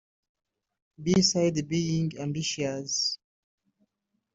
Besides being ambitious